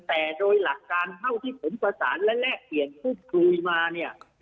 แต่โดยหลักการเท่าที่ผมประสานและแลกเปลี่ยนพูดคุยมาเนี่ย